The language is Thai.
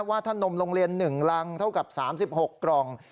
ว่าถ้านมโรงเรียน๑รังเท่ากับ๓๖กล่อง